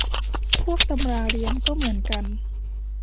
พวกตำราเรียนก็เหมือนกัน